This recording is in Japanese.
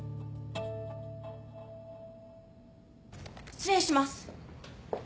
失礼します。